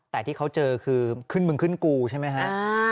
แต่ที่เขาเจอคือขึ้นมึงขึ้นกูใช่ไหมฮะ